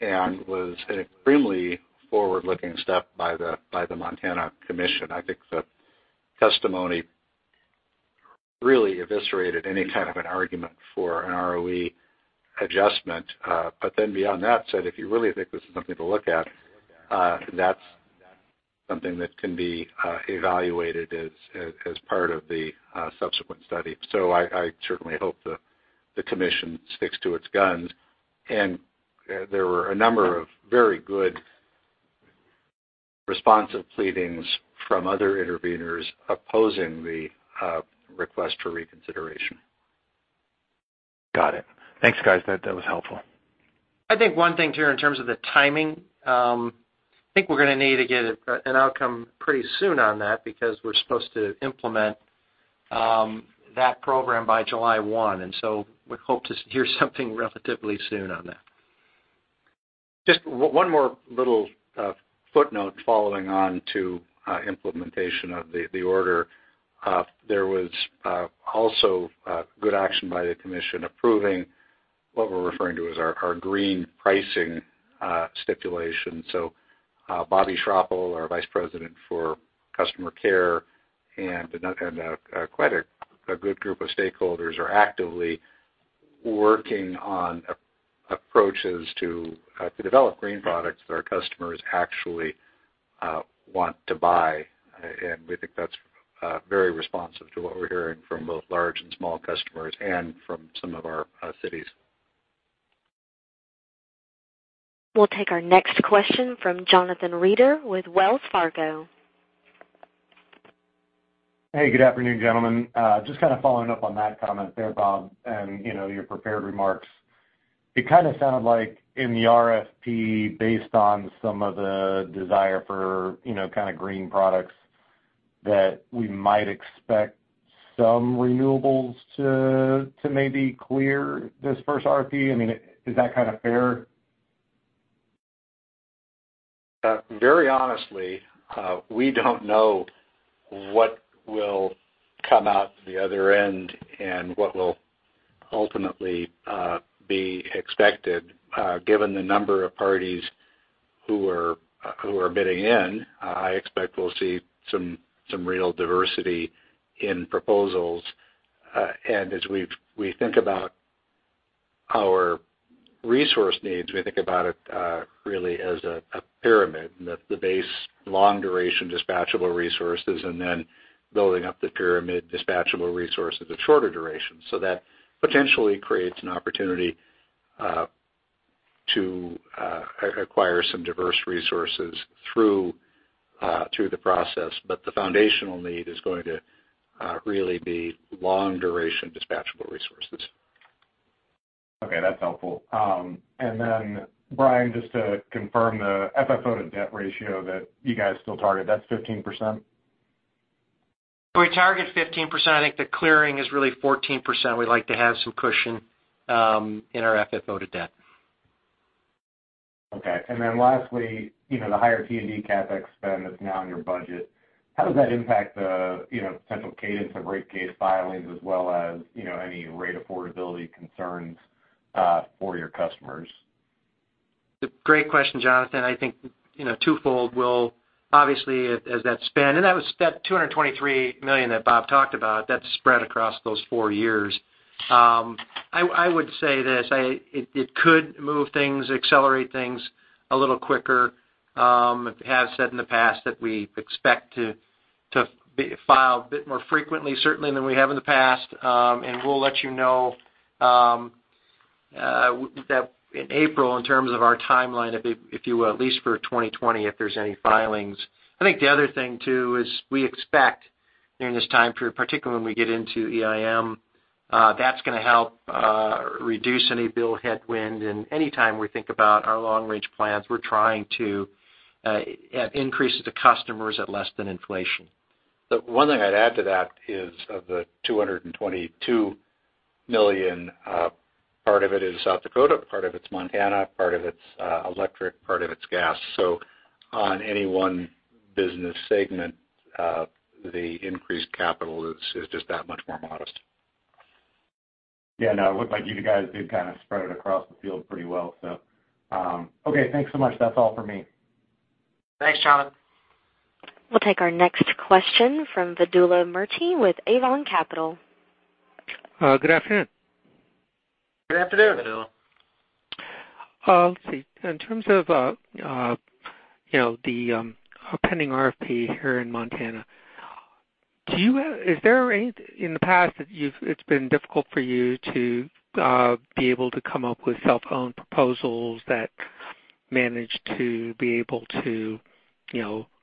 and was an extremely forward-looking step by the Montana Commission. I think the testimony really eviscerated any type of an argument for an ROE adjustment. Beyond that said, if you really think this is something to look at, that's something that can be evaluated as part of the subsequent study. I certainly hope the Commission sticks to its guns. There were a number of very good responsive pleadings from other interveners opposing the request for reconsideration. Got it. Thanks, guys. That was helpful. I think one thing, too, in terms of the timing, I think we're going to need to get an outcome pretty soon on that because we're supposed to implement that program by July 1. We hope to hear something relatively soon on that. Just one more little footnote following on to implementation of the order. There was also good action by the Commission approving what we're referring to as our green pricing stipulation. Bobbi Schroeppel, our vice president for Customer Care, and quite a good group of stakeholders are actively working on approaches to develop green products that our customers actually want to buy. We think that's very responsive to what we're hearing from both large and small customers and from some of our cities. We'll take our next question from Jonathan Reeder with Wells Fargo. Hey, good afternoon, gentlemen. Just kind of following up on that comment there, Bob, and your prepared remarks. It kind of sounded like in the RFP, based on some of the desire for green products, that we might expect some renewables to maybe clear this first RFP. I mean, is that kind of fair? Very honestly, we don't know what will come out the other end and what will ultimately be expected. Given the number of parties who are bidding in, I expect we'll see some real diversity in proposals. As we think about our resource needs, we think about it really as a pyramid, and at the base, long-duration dispatchable resources, and then building up the pyramid, dispatchable resources of shorter duration. That potentially creates an opportunity to acquire some diverse resources through the process. The foundational need is going to really be long-duration dispatchable resources. Okay, that's helpful. Brian, just to confirm the FFO to debt ratio that you guys still target, that's 15%? We target 15%. I think the clearing is really 14%. We like to have some cushion in our FFO to debt. Okay. Lastly, the higher T&D CapEx spend that's now in your budget, how does that impact the potential cadence of rate case filings as well as any rate affordability concerns for your customers? Great question, Jonathan. I think twofold. Obviously, as that spend, and that $223 million that Bob talked about, that's spread across those four years. I would say this. It could move things, accelerate things a little quicker. Have said in the past that we expect to file a bit more frequently, certainly, than we have in the past. We'll let you know, in April, in terms of our timeline, if you will, at least for 2020, if there's any filings. I think the other thing, too, is we expect during this time period, particularly when we get into EIM, that's going to help reduce any bill headwind. Any time we think about our long-range plans, we're trying to increase it to customers at less than inflation. The one thing I'd add to that is of the $222 million, part of it is South Dakota, part of it's Montana, part of it's electric, part of it's gas. On any one business segment, the increased capital is just that much more modest. Yeah. No, it looked like you guys did kind of spread it across the field pretty well. Okay. Thanks so much. That's all for me. Thanks, Jon. We'll take our next question from Vedula Murti with Avon Capital. Good afternoon. Good afternoon. Vedula. Let's see. In terms of the pending RFP here in Montana, in the past, it's been difficult for you to be able to come up with self-owned proposals that manage to be able to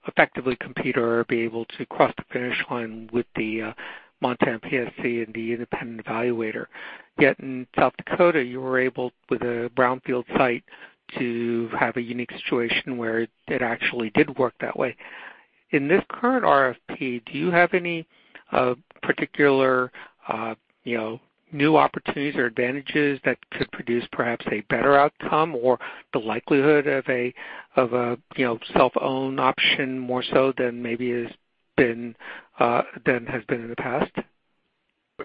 effectively compete or be able to cross the finish line with the Montana PSC and the independent evaluator. Yet in South Dakota, you were able, with a brownfield site, to have a unique situation where it actually did work that way. In this current RFP, do you have any particular new opportunities or advantages that could produce perhaps a better outcome or the likelihood of a self-owned option, more so than maybe has been in the past?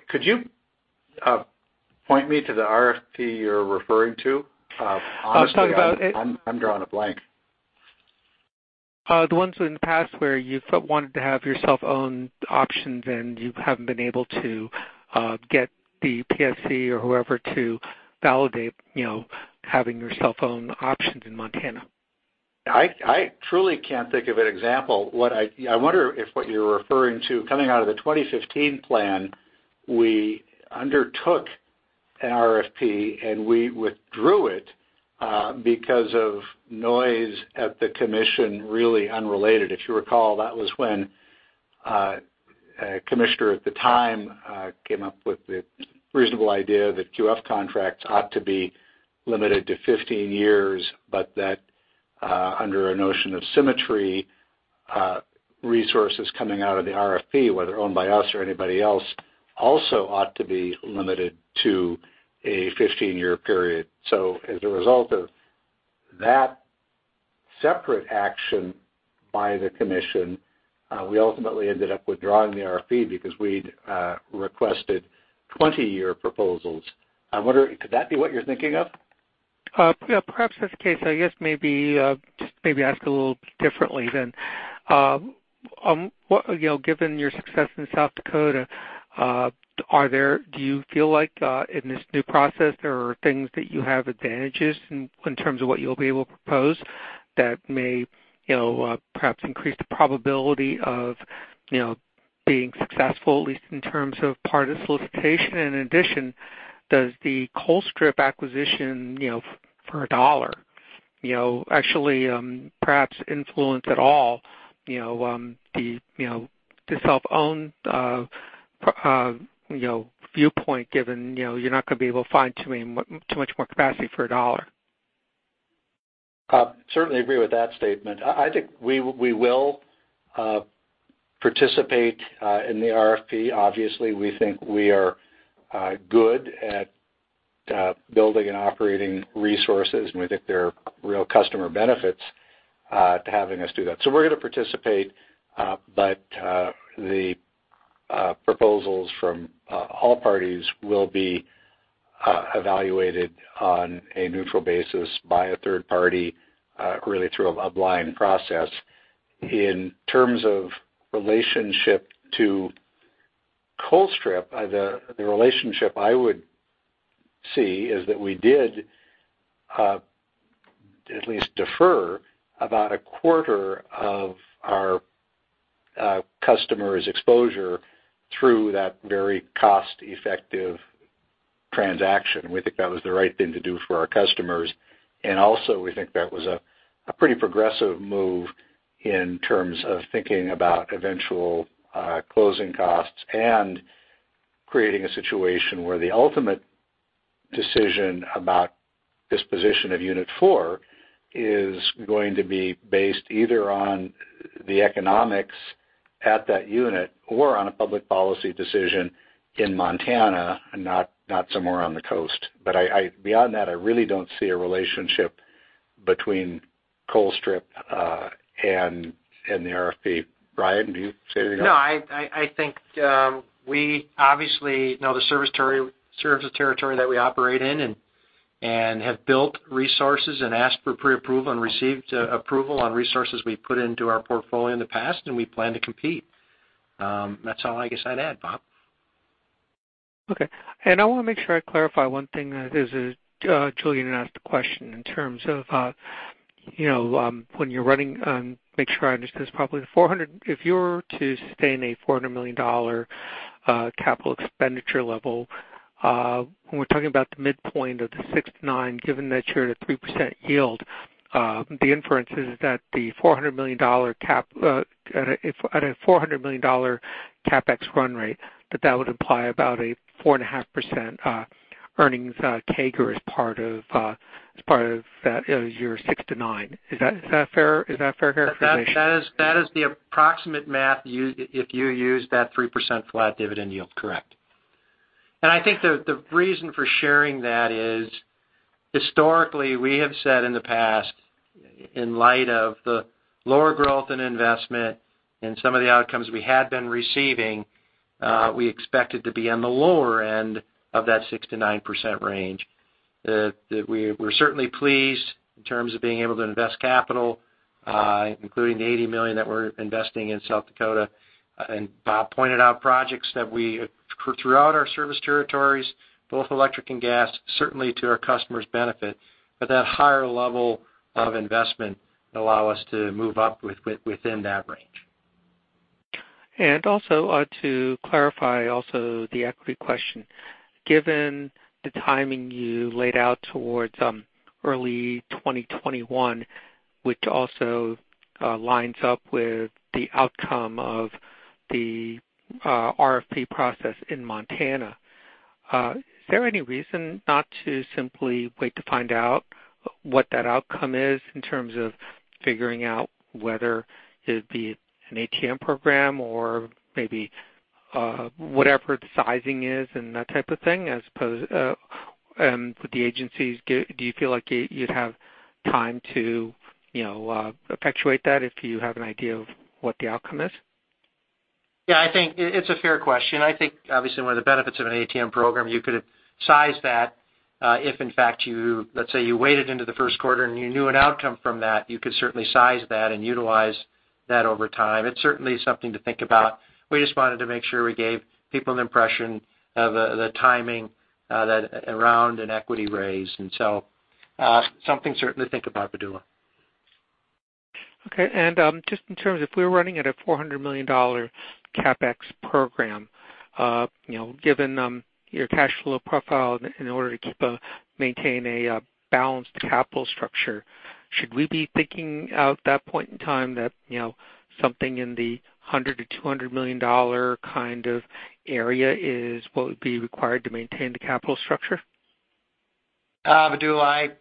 Could you point me to the RFP you're referring to? I was talking about- Honestly, I'm drawing a blank. The ones in the past where you wanted to have your self-owned options and you haven't been able to get the PSC or whoever to validate having your self-owned options in Montana. I truly can't think of an example. I wonder if what you're referring to, coming out of the 2015 plan, we undertook an RFP, and we withdrew it because of noise at the Commission, really unrelated. If you recall, that was when a commissioner at the time came up with the reasonable idea that QF contracts ought to be limited to 15 years, but that under a notion of symmetry, resources coming out of the RFP, whether owned by us or anybody else, also ought to be limited to a 15-year period. As a result of that separate action by the Commission, we ultimately ended up withdrawing the RFP because we'd requested 20-year proposals. I wonder, could that be what you're thinking of? Yeah. Perhaps that's the case. I guess maybe ask a little bit differently then. Given your success in South Dakota, do you feel like in this new process, there are things that you have advantages in terms of what you'll be able to propose that may perhaps increase the probability of being successful, at least in terms of part of the solicitation? In addition, does the Colstrip acquisition for $1 actually perhaps influence at all the self-owned viewpoint, given you're not going to be able to find too much more capacity for $1? Certainly agree with that statement. I think we will participate in the RFP. Obviously, we think we are good at building and operating resources, and we think there are real customer benefits to having us do that. We're going to participate. The proposals from all parties will be evaluated on a neutral basis by a third party, really through a blind process. In terms of relationship to Colstrip, the relationship I would see is that we did at least defer about a quarter of our customers' exposure through that very cost-effective transaction. We think that was the right thing to do for our customers. Also, we think that was a pretty progressive move in terms of thinking about eventual closing costs and creating a situation where the ultimate decision about disposition of Unit 4 is going to be based either on the economics at that unit or on a public policy decision in Montana and not somewhere on the coast. Beyond that, I really don't see a relationship between Colstrip and the RFP. Brian, do you see anything else? No, I think we obviously know the service territory that we operate in and have built resources and asked for pre-approval and received approval on resources we've put into our portfolio in the past, and we plan to compete. That's all I guess I'd add, Bob. Okay. I want to make sure I clarify one thing that is, Julien asked a question in terms of when you're running, make sure I understand this properly. If you were to stay in a $400 million capital expenditure level, when we're talking about the midpoint of the 6%-9%, given that you're at a 3% yield, the inference is that at a $400 million CapEx run rate, that that would imply about a 4.5% earnings CAGR as part of year 6%-9%. Is that a fair characterization? That is the approximate math if you use that 3% flat dividend yield. Correct. I think the reason for sharing that is historically, we have said in the past, in light of the lower growth in investment and some of the outcomes we had been receiving, we expected to be on the lower end of that 6%-9% range. We're certainly pleased in terms of being able to invest capital, including the $80 million that we're investing in South Dakota. Bob pointed out projects that we, throughout our service territories, both electric and gas, certainly to our customers' benefit. That higher level of investment allow us to move up within that range. Also to clarify also the equity question. Given the timing you laid out towards early 2021, which also lines up with the outcome of the RFP process in Montana? Is there any reason not to simply wait to find out what that outcome is in terms of figuring out whether it be an ATM program or maybe whatever the sizing is and that type of thing as opposed. With the agencies, do you feel like you'd have time to effectuate that if you have an idea of what the outcome is? Yeah, I think it's a fair question. I think obviously one of the benefits of an ATM program, you could size that, if in fact you, let's say you waited into the first quarter and you knew an outcome from that, you could certainly size that and utilize that over time. It's certainly something to think about. We just wanted to make sure we gave people an impression of the timing around an equity raise, something certain to think about, Vedula. Just in terms, if we're running at a $400 million CapEx program, given your cash flow profile in order to maintain a balanced capital structure, should we be thinking out that point in time that something in the $100 million-$200 million kind of area is what would be required to maintain the capital structure? Vedula,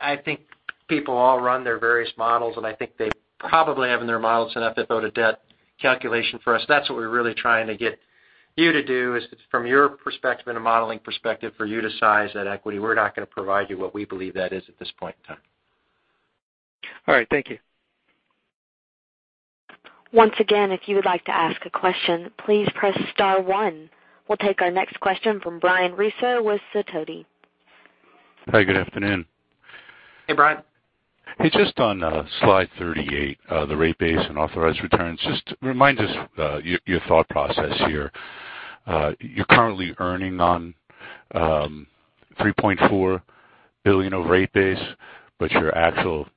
I think people all run their various models, and I think they probably have in their models an FFO to debt calculation for us. That's what we're really trying to get you to do, is from your perspective and a modeling perspective, for you to size that equity. We're not going to provide you what we believe that is at this point in time. All right. Thank you. Once again, if you would like to ask a question, please press star one. We'll take our next question from Brian Russo with Sidoti. Hi, good afternoon. Hey, Brian. Hey, just on slide 38, the rate base and authorized returns, just remind us your thought process here. You're currently earning on $3.4 billion of rate base, but your actual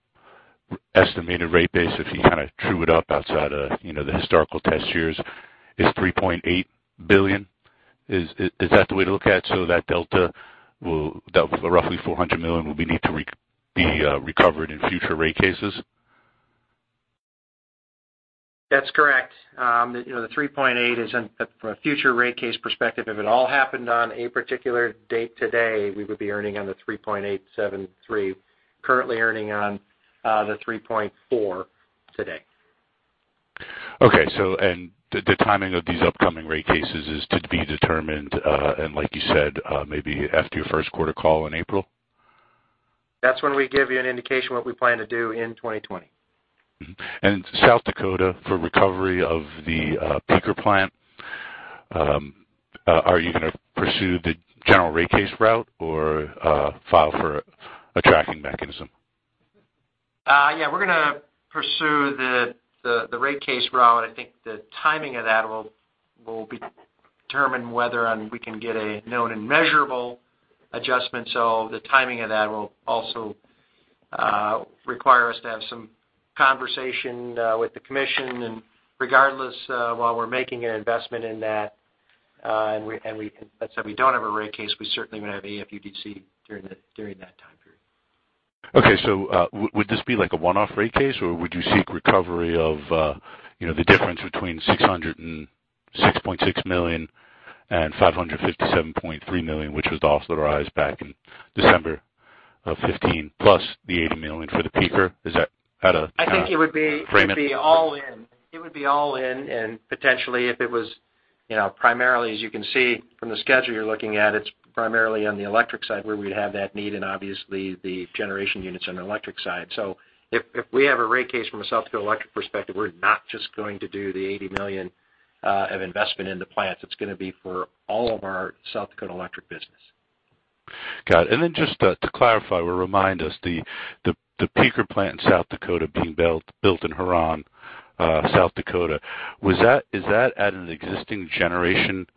estimated rate base, if you kind of true it up outside of the historical test years, is $3.8 billion. Is that the way to look at it, so that delta, roughly $400 million, will need to be recovered in future rate cases? That's correct. The $3.8 billion is in a future rate case perspective. If it all happened on a particular date today, we would be earning on the $3.873 billion. Currently earning on the $3.4 billion today. Okay. The timing of these upcoming rate cases is to be determined, like you said, maybe after your first quarter call in April? That's when we give you an indication what we plan to do in 2020. South Dakota, for recovery of the peaker plant, are you going to pursue the general rate case route or file for a tracking mechanism? We're going to pursue the rate case route. I think the timing of that will be determined whether or we can get a known and measurable adjustment. The timing of that will also require us to have some conversation with the commission. Regardless, while we're making an investment in that, and let's say we don't have a rate case, we certainly would have AFUDC during that time period. Okay. Would this be like a one-off rate case, or would you seek recovery of the difference between $606.6 million and $557.3 million, which was authorized back in December of 2015 plus the $80 million for the peaker? Is that how to frame it? I think it would be all in. Potentially if it was primarily, as you can see from the schedule you're looking at, it's primarily on the electric side where we'd have that need and obviously the generation unit's on the electric side. If we have a rate case from a South Dakota electric perspective, we're not just going to do the $80 million of investment in the plants. It's going to be for all of our South Dakota electric business. Got it. Then just to clarify or remind us, the peaker plant in South Dakota being built in Huron, South Dakota, is that at an existing generation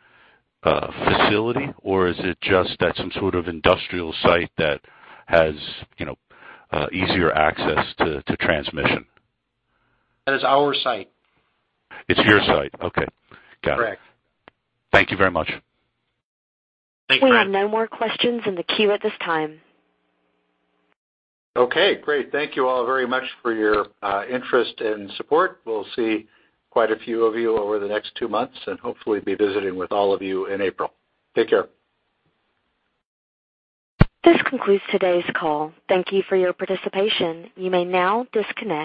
facility or is it just at some sort of industrial site that has easier access to transmission? That is our site. It's your site. Okay. Got it. Correct. Thank you very much. Thanks, Brian. We have no more questions in the queue at this time. Okay, great. Thank you all very much for your interest and support. We'll see quite a few of you over the next two months and hopefully be visiting with all of you in April. Take care. This concludes today's call. Thank you for your participation. You may now disconnect.